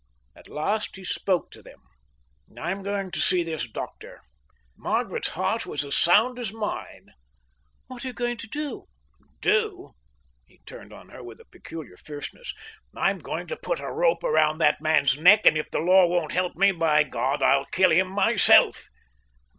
At last he spoke to them. "I'm going to see this doctor. Margaret's heart was as sound as mine." "What are you going to do?" "Do?" He turned on her with a peculiar fierceness. "I'm going to put a rope round that man's neck, and if the law won't help me, by God, I'll kill him myself."